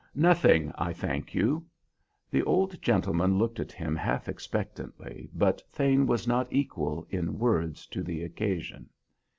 "Nothing, I thank you." The old gentleman looked at him half expectantly, but Thane was not equal, in words, to the occasion.